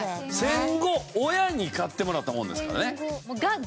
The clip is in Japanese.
戦後親に買ってもらったものですからね。